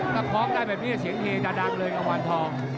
ถ้าคล้องได้แบบนี้เสียงเฮจะดังเลยกังวานทอง